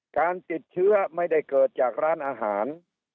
การติดเชื้อไม่ได้เกิดจากร้านอาหาร